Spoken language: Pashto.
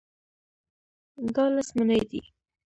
دا لس مڼې دي.